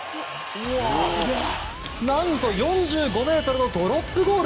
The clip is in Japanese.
何と４５ｍのドロップゴール。